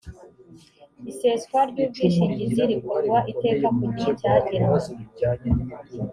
iseswa ry’ubwishingizi rikorwa iteka ku gihe cyagenwe